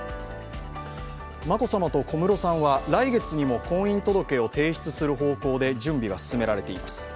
眞子さまと小室さんは来月にも婚姻届を提出する方向で、準備が進められています。